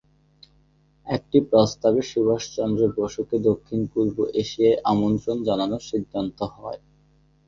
একটি প্রস্তাবে সুভাষচন্দ্র বসুকে দক্ষিণ-পূর্ব এশিয়ায় আমন্ত্রণ জানানোর সিদ্ধান্ত হয়।